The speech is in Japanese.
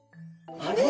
あれ？